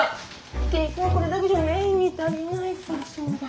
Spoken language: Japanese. ひき肉がこれだけじゃメインに足りないからそうだ